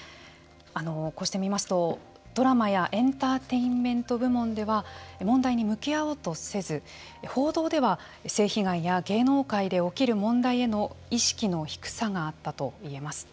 こうして見ますとドラマやエンターテインメント部門では問題に向き合おうとせず報道では性被害や芸能界で起きる問題への意識の低さがあったと言えます。